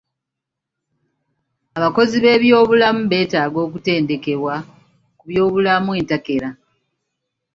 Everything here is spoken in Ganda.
Abakozi b'ebyobulamu beetaga okutendekebwa ku by'obulamu entakera.